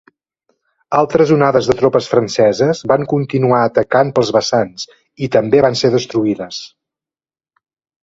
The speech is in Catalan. Altres onades de tropes franceses van continuar atacant pels vessants i també van ser destruïdes.